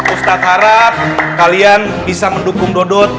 ustadz harap kalian bisa mendukung dodot